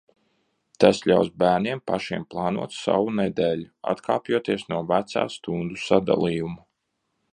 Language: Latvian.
Tas ļaus bērniem pašiem plānot savu nedēļu, atkāpjoties no vecā stundu sadalījuma.